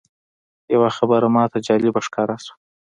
یوه خبره ماته جالبه ښکاره شوه.